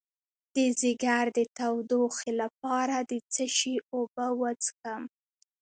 د ځیګر د تودوخې لپاره د څه شي اوبه وڅښم؟